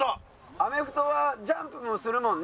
アメフトはジャンプもするもんね。